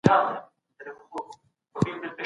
فيصلي باید له احساساتو پرته وسي.